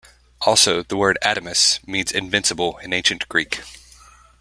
Also, the word "Adamas" means "invincible" in Ancient Greek.